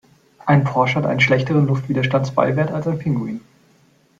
Ein Porsche hat einen schlechteren Luftwiderstandsbeiwert als ein Pinguin.